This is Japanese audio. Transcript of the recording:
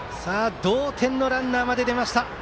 同点のランナーまで出ました。